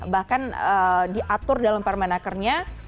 bahkan diatur dalam permenakernya